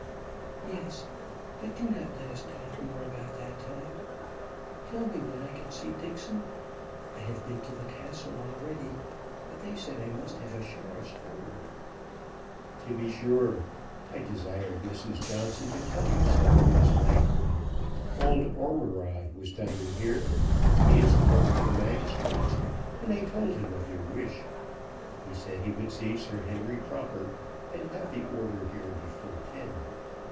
"Yes, but do not let us talk more about that time. Tell me when can I see Dixon? I have been to the castle already, but they said I must have a sheriff's order." "To be sure. I desired Mrs. Johnson to tell you so last night. Old Ormerod was dining here; he is clerk to the magistrates, and I told him of your wish. He said he would see Sir Henry Croper, and have the order here before ten.